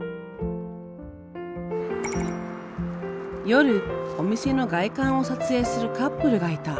夜お店の外観を撮影するカップルがいた。